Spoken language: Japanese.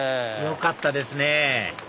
よかったですね